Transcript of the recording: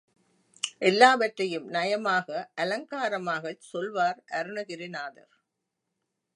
எல்லாவற்றையும் நயமாக அலங்காரமாகச் சொல்வார் அருணகிரிநாதர்.